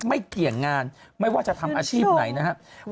เกี่ยงงานไม่ว่าจะทำอาชีพไหนนะครับ